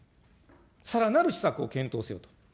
さらなる施策を検討せよと。